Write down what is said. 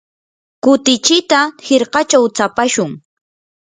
kutichita hirkachaw tsapashun.